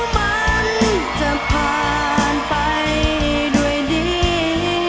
แล้วมันจะผ่านไปด้วยนี้